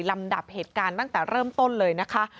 ลำดับเหตุการณ์ตั้งแต่เริ่มต้นเลยนะคะ